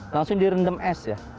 langsung direndam es ya